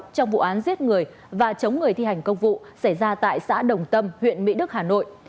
trong vụ án giết người và chống người thi hành công vụ xảy ra tại xã đồng tâm huyện mỹ đức hà nội